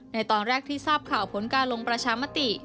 ในตอนแรกที่ทราบข่าวผลการลงประชามติ